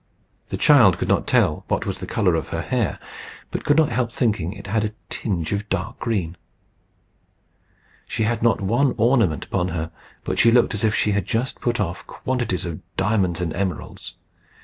The child could not tell what was the colour of her hair, but could not help thinking it had a tinge of dark green. She had not one ornament upon her, but she looked as if she had just put off quantities of diamonds and emeralds.